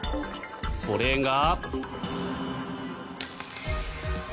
それが。